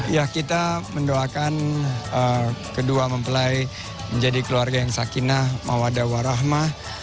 ya kita mendoakan kedua mempelai menjadi keluarga yang sakinah mawadah warahmah